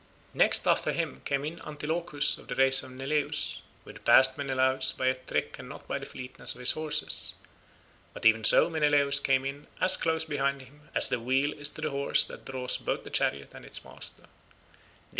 Next after him came in Antilochus of the race of Neleus, who had passed Menelaus by a trick and not by the fleetness of his horses; but even so Menelaus came in as close behind him as the wheel is to the horse that draws both the chariot and its master.